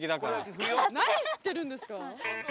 何で知ってるんですか？